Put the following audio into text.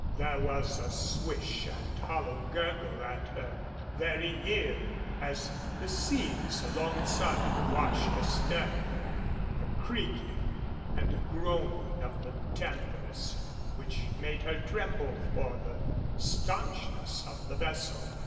There was a swish and hollow gurgle at her very ear as the seas alongside washed astern, a creaking and a groaning of the timbers, which made her tremble for the stanchness of the vessel.